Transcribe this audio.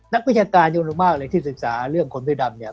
นักวิชาการเยอะมากเลยที่ศึกษาเรื่องคนเสื้อดำเนี่ย